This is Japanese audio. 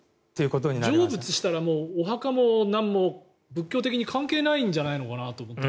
成仏したらお墓もなんも仏教的に関係ないんじゃないのかなと思って。